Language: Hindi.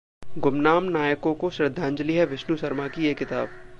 गुमनाम नायकों को श्रद्धांजलि है विष्णु शर्मा की ये किताब